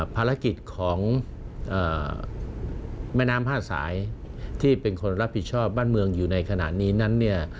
ภารกิจของแม่น้ำ๕สายที่เป็นคนรับผิดชอบบ้านเมืองอยู่ในขณะนี้นั้นเนี่ย